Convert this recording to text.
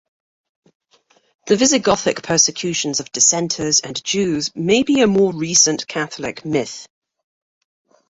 The Visigothic persecutions of dissenters and Jews may be a more recent Catholic myth.